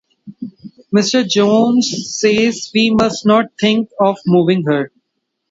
Mr. Jones says we must not think of moving her.